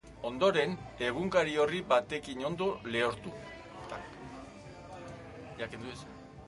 Ondoren, egunkari orri batekin ondo lehortu.